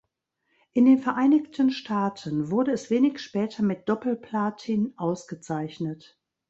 In den Vereinigten Staaten wurde es wenig später mit Doppelplatin ausgezeichnet.